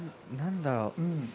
何だろう。